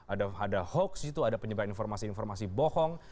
ada hoax itu ada penyebaran informasi informasi bohong